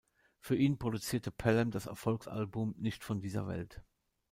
Für ihn produzierte Pelham das Erfolgsalbum "Nicht von dieser Welt".